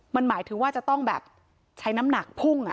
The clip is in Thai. มันหมายถึงว่าจะต้องแบบใช้น้ำหนักพุ่ง